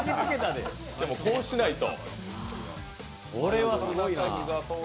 でも、こうしないと。